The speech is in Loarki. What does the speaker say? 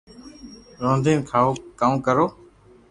رودين ڪاو ڪرو